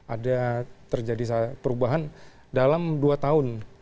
ada terjadi perubahan dalam dua tahun